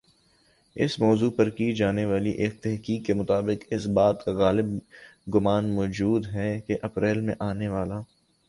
اس موضوع پر کی جانی والی ایک تحقیق کی مطابق اس بات کا غالب گمان موجود ہی کہ اپریل میں آنی والا